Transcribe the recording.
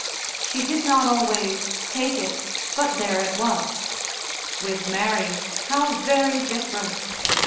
She did not always take it, but there it was. With Mary, how very different!